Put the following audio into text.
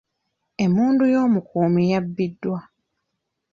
Emmundu y'omukuumi yabbibwa.